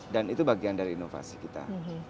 dan itu bagian dari inovasi kita